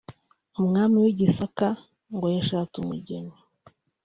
umwami w’i Gisaka ngo yashatse umugeni